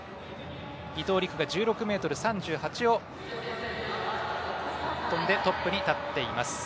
伊藤陸が１６ｍ３８を跳んでトップに立っています。